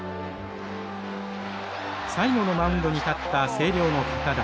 最後のマウンドに立った星稜の堅田。